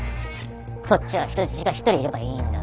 こっちは人質が１人いればいいんだ。